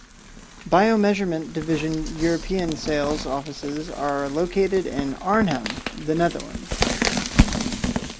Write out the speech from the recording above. BioMeasurement Division European sales offices are located in Arnhem, The Netherlands.